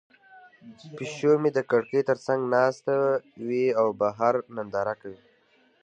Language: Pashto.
پیشو مې د کړکۍ تر څنګ ناسته وي او بهر ننداره کوي.